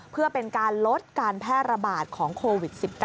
เพื่อเป็นการลดการแพร่ระบาดของโควิด๑๙